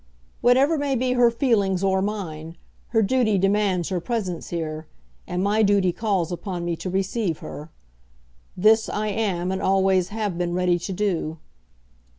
Whatever may be her feelings, or mine, her duty demands her presence here, and my duty calls upon me to receive her. This I am and always have been ready to do.